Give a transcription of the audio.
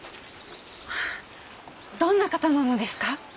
どんな方なのですか？